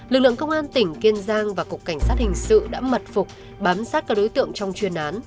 lực lượng công an tỉnh kiên giang và cục cảnh sát hình sự đã mật phục bám sát các đối tượng trong chuyên án